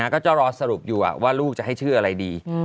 ก็จะรอสรุปอยู่ว่าลูกจะให้ชื่ออะไรดี